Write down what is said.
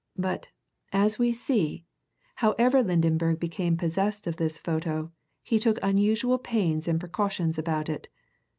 But, as we see, however Lydenberg became possessed of this photo, he took unusual pains and precautions about it.